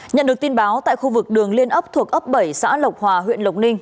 nhận được tin báo tại khu vực đường liên ấp thuộc ấp bảy xã lộc hòa huyện lộc ninh